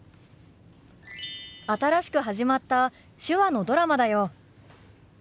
新しく始まった手話のドラマだよ。